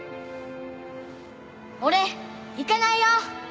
俺行かないよ！